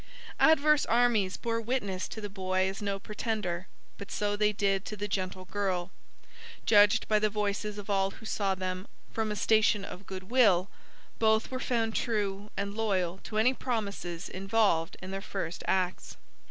Adverse armies bore witness to the boy as no pretender: but so they did to the gentle girl. Judged by the voices of all who saw them from a station of good will, both were found true and loyal to any promises involved in their first acts.